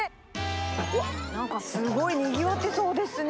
うわっ、なんかすごいにぎわってそうですね。